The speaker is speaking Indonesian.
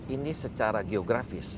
ini secara geografis